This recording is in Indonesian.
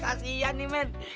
kasian nih men